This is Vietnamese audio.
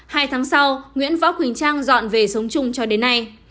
hai tháng sau nguyễn võ quỳnh trang dọn về sống chung cho đến nay